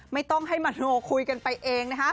ไม่ต้องให้มโนคุยกันไปเองนะคะ